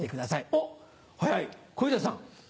おっ早い小遊三さん。